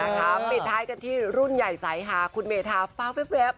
ปิดท้ายกันที่รุ่นใหญ่สายหาคุณเมธาฟ้าแว๊บ